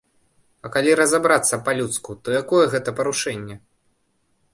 А калі разабрацца па-людску, то якое гэта парушэнне?